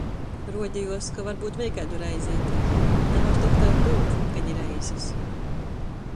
Ruodejuos, ka varbyut vēļ kaidu reizi atīšu. Navar tok tai byut, ka ni reizis.